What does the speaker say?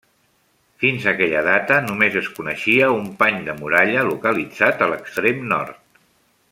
Fins a aquella data només es coneixia un pany de muralla localitzat a l'extrem nord.